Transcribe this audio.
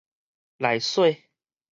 來洗